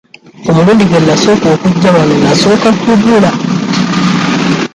Omulundi gwe nnasooka okujja wano nnasooka kubula.